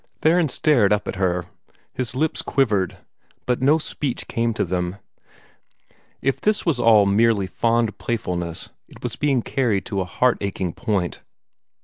Theron stared up at her. His lips quivered, but no speech came to them. If this was all merely fond playfulness, it was being carried to a heart aching point.